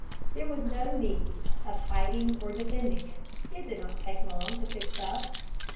There was no need of hiding or defending it. It did not take long to fix it up.